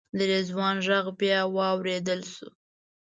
د رضوان غږ بیا واورېدل شو.